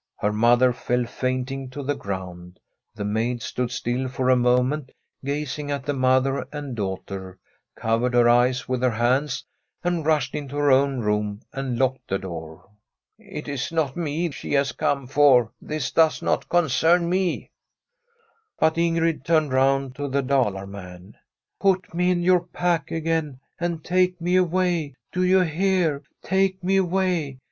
Her mother fell fainting to the ground ; the maid stood still for a moment, gazing at the mother and danghter, covered her eyes with her hands, and rushed into her own room and locked the door. ' It is not me she has come for ; this does not concern me.* M, SWEDIIB HOMESTEAD Bat lagrid tsacd looiid to tbe Dalar man. * PacsDcia jocr pack agam, and take me away, jcis iesr ? Take me away.